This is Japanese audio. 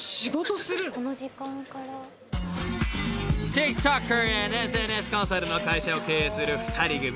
［ＴｉｋＴｏｋｅｒ＆ＳＮＳコンサルの会社を経営する２人組］